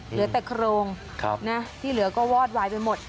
เหลือแต่โครงที่เหลือก็วอดวายไปหมด